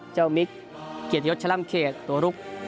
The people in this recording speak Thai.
เจ้ามิกเกียรติยศชะล่ำตัวลูก